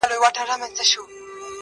ځیني خو ان د کال له سره ورته پیسې غونډوي